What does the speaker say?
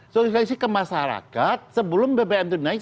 sosialisasi ke masyarakat sebelum bbm itu naik